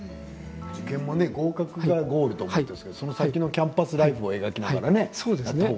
受験は合格がゴールだと思いますが、その先のキャンパスライフを思い描きながらね。